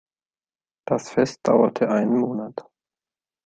Das Fest dauerte einen Monat.